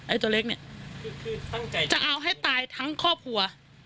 ตัวเล็กเนี่ยจะเอาให้ตายทั้งครอบครัว